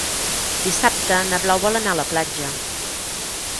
Dissabte na Blau vol anar a la platja.